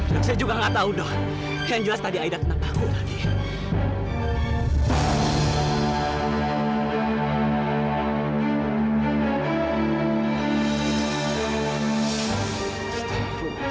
saya juga nggak tahu dok yang jelas tadi aida kena paku tadi